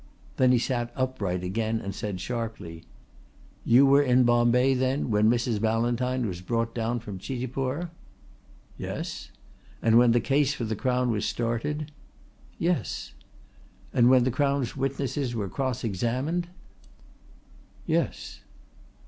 Then he sat upright again and said sharply: "You were in Bombay then when Mrs. Ballantyne was brought down from Chitipur?" "Yes." "And when the case for the Crown was started?" "Yes." "And when the Crown's witnesses were cross examined?" "Yes."